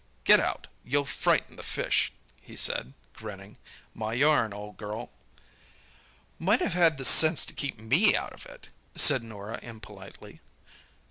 "Get out—you'll frighten the fish!" he said, grinning. "My yarn, old girl." "Might have had the sense to keep me out of it," said Norah impolitely.